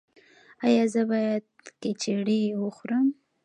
ایا زه باید کیچړي وخورم؟